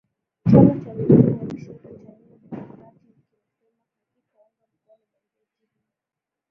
chama cha mrengo wa kushoto cha new democratic kimesema hakitaunga mkono bajeti hiyo